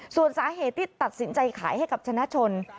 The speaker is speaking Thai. ส่วนสาเหตุที่ตัดสินใจขายให้กับชนะชน